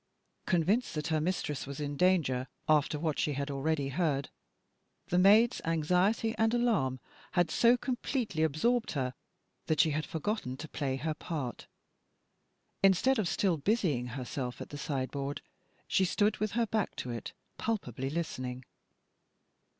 Convinced that her mistress was in danger, after what she had already heard, the maid's anxiety and alarm had so completely absorbed her that she had forgotten to play her part. Instead of still busying herself at the sideboard, she stood with her back to it, palpably listening.